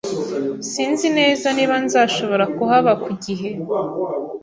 Sinzi neza niba nzashobora kuhaba ku gihe.